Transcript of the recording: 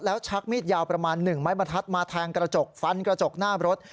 แล้วชักมีดยาวประมาณ๑ไม้บรรทัดมาแทงกระจกฟันกระจกหน้ารถ